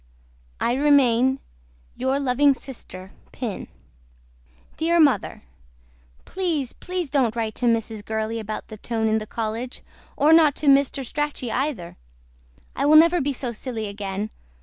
I REMAIN YOUR LUVING SISTER PIN. DEAR MOTHER PLEASE PLEASE DON'T WRITE TO MRS. GURLEY ABOUT THE TONE IN THE COLLEGE OR NOT TO MR. STRACHEY EITHER. I WILL NEVER BE SO SILLY AGAIN.